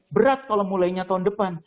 berat kalau mulainya tahun depan